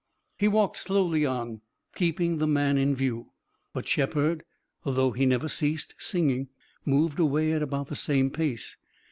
He walked slowly on, keeping the man in view, but Shepard, although he never ceased singing, moved away at about the same pace.